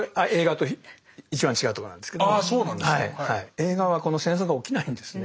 映画はこの戦争が起きないんですね。